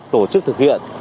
tổ chức thực hiện